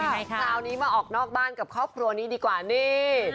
คราวนี้มาออกนอกบ้านกับครอบครัวนี้ดีกว่านี่